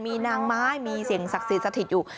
มีนางไม้มีเสียงสักศึกสถิตอยู่